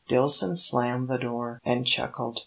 Dillson slammed the door, and chuckled.